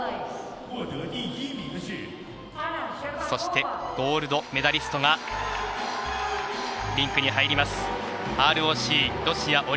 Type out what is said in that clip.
そして、ゴールドメダリストがリンクに入りました。